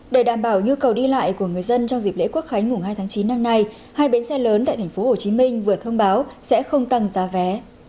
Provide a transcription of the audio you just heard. để đảm bảo nhu cầu đi lại của người dân trong dịp lễ quốc khánh mùng hai tháng chín năm nay hai bến xe lớn tại tp hcm vừa thông báo sẽ không tăng giá vé